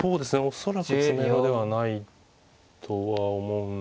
恐らく詰めろではないとは思うんですが。